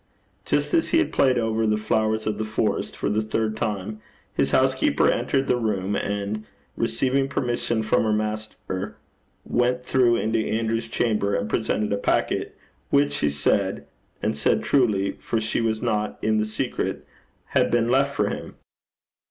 Just as he had played over the Flowers of the Forest for the third time, his housekeeper entered the room, and receiving permission from her master, went through into Andrew's chamber, and presented a packet, which she said, and said truly, for she was not in the secret, had been left for him.